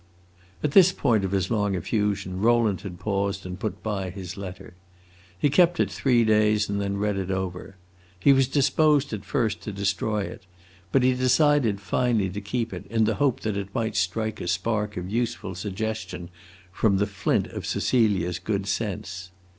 At this point of his long effusion, Rowland had paused and put by his letter. He kept it three days and then read it over. He was disposed at first to destroy it, but he decided finally to keep it, in the hope that it might strike a spark of useful suggestion from the flint of Cecilia's good sense.